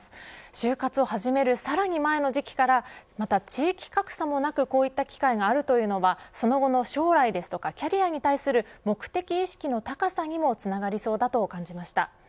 就活を始めるさらに前の時期からまた地域格差もなく、こういった機会があるというのはその後の将来ですとかキャリアに対する目的意識の高さにもつながりそうだと感じました。